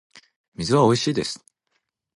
水はおいしいです